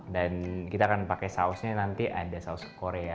dan kita akan pakai sausnya nanti ada saus korea